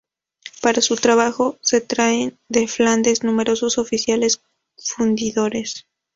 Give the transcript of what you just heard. Para su trabajo se traen de Flandes numerosos oficiales fundidores.